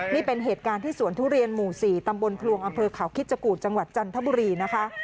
นี่เป็นเหตุการณ์ที่สวนทุเรียนหมู่๔ตำบลพลวงอำเภอเขาคิดจกูธจังหวัดจันทบุรีนะคะ